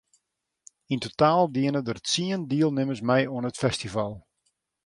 Yn totaal diene der tsien dielnimmers mei oan it festival.